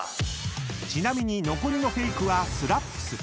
［ちなみに残りのフェイクはスラップス］